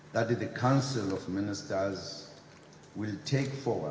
dalam perjalanan ke negara anggota iora